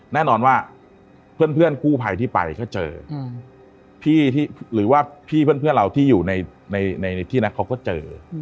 แน่นอนว่าเพื่อนกู้ภัยที่ไปก็เจอพี่ที่หรือว่าพี่เพื่อนเราที่อยู่ในที่นั้นเขาก็เจอ